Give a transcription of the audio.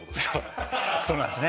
そうなんですね。